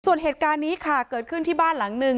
ส่วนเหตุการณ์นี้ค่ะเกิดขึ้นที่บ้านหลังนึง